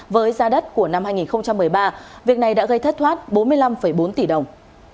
với giá đất của năm hai nghìn một mươi ba việc này đã gây thất thoát bốn mươi năm bốn tỷ đồng